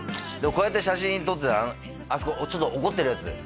こうやって写真撮ってたらあそこちょっと怒ってるヤツ